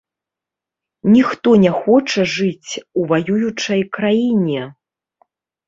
Ніхто не хоча жыць у ваюючай краіне.